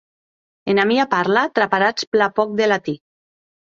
Ena mia parla traparatz plan pòc de latin.